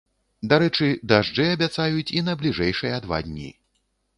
Дарэчы, дажджы абяцаюць і на бліжэйшыя два дні.